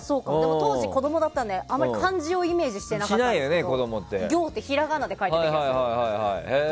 当時、子供だったんであまり漢字をイメージしなかったですけど「ぎょう」ってひらがなで書いてた気がする。